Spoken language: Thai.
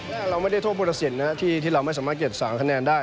เราไม่ได้โทษบุรสินนะที่เราไม่สามารถเก็บ๓คะแนนได้